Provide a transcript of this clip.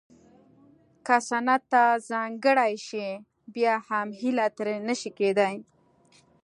که صنعت ته ځانګړې شي بیا هم هیله ترې نه شي کېدای